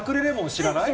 知らない？